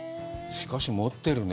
しかし、持ってるね。